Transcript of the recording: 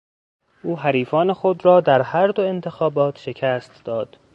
او حریفان خود را در هر دو انتخابات شکست داد.